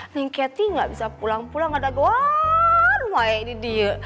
neng keti nggak bisa pulang pulang ada goaan wah ini dia